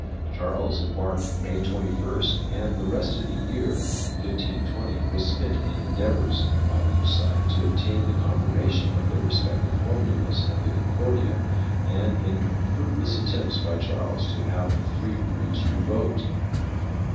Charles embarked May 21st and the rest of the year 1520 was spent in endeavors by each side to obtain the confirmation of their respective formulas of the Concordia and in fruitless attempts by Charles to have the three briefs revoked.